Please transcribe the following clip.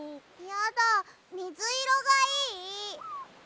やだみずいろがいい！